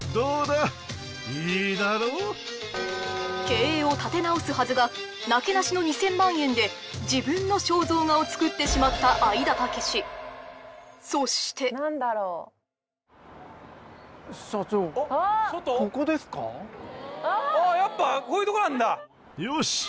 経営を立て直すはずがなけなしの２０００万円で自分の肖像画を作ってしまった愛田武そしてあやっぱよし！